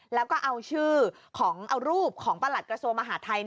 แล้วก็เอาชื่อของเอารูปของประหลัดกระทรวงมหาทัย